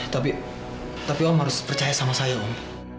tapi tapi om harus percaya sama saya om